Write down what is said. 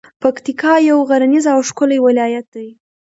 پکتیکا یو غرنیز او ښکلی ولایت ده.